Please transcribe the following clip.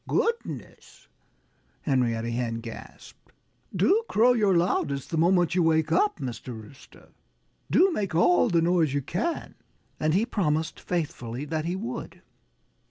"Goodness!" Henrietta Hen gasped. "Do crow your loudest the moment you wake up, Mr. Rooster! Do make all the noise you can!" And he promised faithfully that he would.